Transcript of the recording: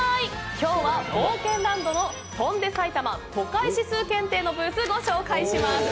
今日は冒険ランドの翔んで埼玉都会指数検定のブースをご紹介します。